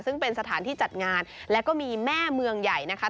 ซึ่งเป็นสถานที่จัดงานแล้วก็มีแม่เมืองใหญ่นะคะ